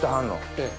ええ。